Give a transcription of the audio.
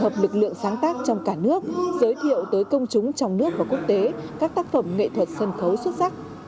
hợp lực lượng sáng tác trong cả nước giới thiệu tới công chúng trong nước và quốc tế các tác phẩm nghệ thuật sân khấu xuất sắc